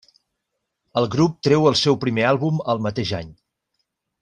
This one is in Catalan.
El grup treu el seu primer àlbum el mateix any.